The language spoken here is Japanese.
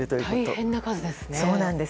大変な数ですね。